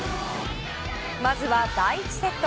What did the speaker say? まずは第１セット。